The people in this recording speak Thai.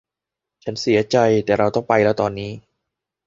ฉันเสียใจแต่เราต้องไปแล้วตอนนี้